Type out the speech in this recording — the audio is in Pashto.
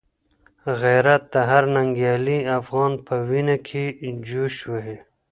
غیرت د هر ننګیالي افغان په وینه کي جوش وهي.